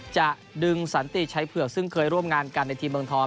จะดึงสันติชัยเผือกซึ่งเคยร่วมงานกันในทีมเมืองทอง